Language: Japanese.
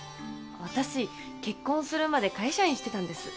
私結婚するまで会社員してたんです。